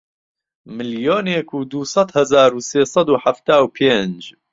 ملیۆنێک و دوو سەد هەزار و سێ سەد و حەفتا و پێنج